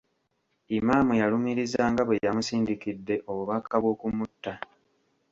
"Imam" yalumiriza nga bwe yamusindikidde obubaka bw’okumutta.